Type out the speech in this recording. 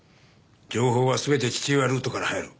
情報は全て父親ルートから入る。